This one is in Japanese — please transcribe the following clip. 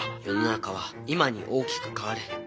世の中は今に大きく変わる。